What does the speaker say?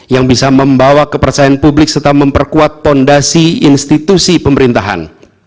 yang bisa membawa kepercayaan publik serta memperkuat fondasi institusi pemerintahan